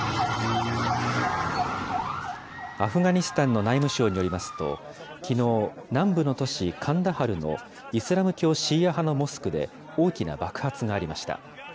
アフガニスタンの内務省によりますと、きのう、南部の都市カンダハルのイスラム教シーア派のモスクで、大きな爆発がありました。